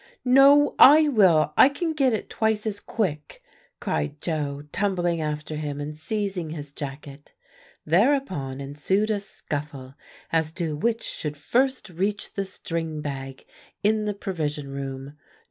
"No, I will; I can get it twice as quick!" cried Joe, tumbling after him, and seizing his jacket. Thereupon ensued a scuffle as to which should first reach the string bag in the Provision Room.